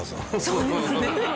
そうですね。